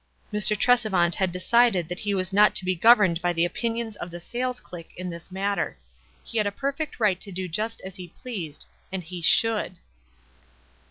Mr. Tresevant had decided that he was not to be governed by the opinions of the Sayles clique in this matter. He had a perfect right to do just as he pleased, and he should.